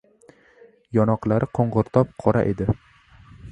Yonoqlari qo‘ng‘irtob qora edi.